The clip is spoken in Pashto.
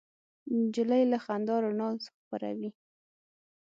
نجلۍ له خندا رڼا خپروي.